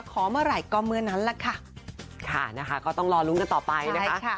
ค่ะนะคะก็ต้องรอรุ้งกันต่อไปนะคะ